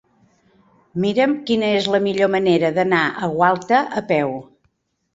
Mira'm quina és la millor manera d'anar a Gualta a peu.